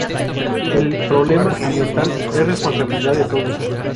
El problema ambiental es responsabilidad de todos"".